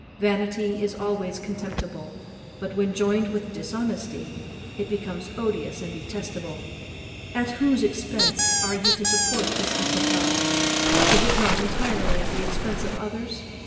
Vanity is always contemptible; but when joined with dishonesty, it becomes odious and detestable. At whose expence are you to support this equipage? is it not entirely at the expence of others?